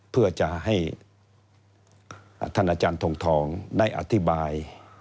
เพื่อจะให้ท่านอาจารย์ทงทองได้อธิบาย